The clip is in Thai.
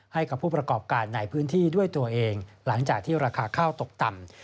ให้กับผู้ประกอบการในพื้นที่ด้วยตัวเองหลังจากที่ราคาข้าวตกต่ำ